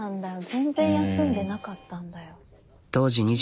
全然休んでなかったんだよ。